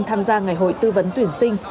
tham gia ngày hội tư vấn tuyển sinh